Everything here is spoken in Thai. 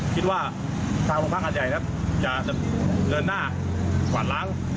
คิดว่าทางภูมิภักดิ์อัดยัยนะครับจะเคลื่อนหน้ากว่านล้าง